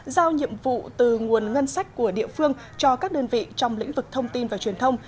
giao nhiệm vụ từ nguồn ngân sách của địa phương cho các đơn vị trong lĩnh vực thông tin và truyền thông